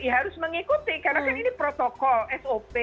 ya harus mengikuti karena kan ini protokol sop